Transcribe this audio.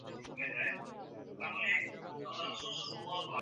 খেলাধুলার জগতে এ ব্যাপারে সবার শীর্ষে আছেন ক্রিস্টিয়ানো রোনালদো।